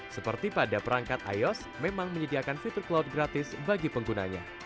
seperti pada perangkat ios memang menyediakan fitur cloud gratis bagi penggunanya